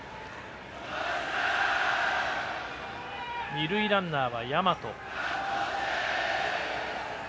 二塁ランナーは大和。